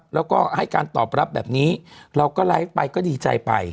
แล้วก็ให้การตอบรับแบบนี้เราก็ไลฟ์ไปก็ดีใจไป